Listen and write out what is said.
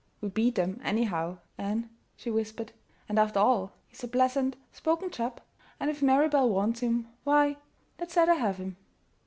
"We beat 'em, anyhow, Ann," she whispered. "And, after all, he's a pleasant spoken chap, and if Mary Belle wants him why let's let her have him!"